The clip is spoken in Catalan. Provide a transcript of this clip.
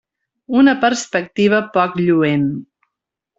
Una perspectiva poc lluent.